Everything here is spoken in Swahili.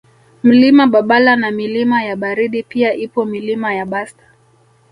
Mlima Babala na Milima ya Baridi pia ipo Milima ya Bast